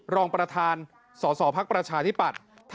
รองประธานสสพักประชาธิปัตย์